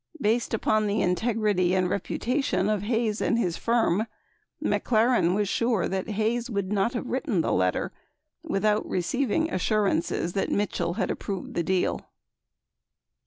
Based upon the integrity and reputa tion of Hayes and his firm, McLaren was sure that Hayes would not have written the letter without receiving assurances that Mitchell had approved the deal.